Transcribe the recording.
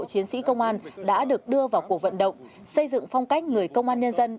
chiến sĩ công an đã được đưa vào cuộc vận động xây dựng phong cách người công an nhân dân